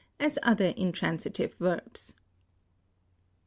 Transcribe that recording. as other intransitive verbs.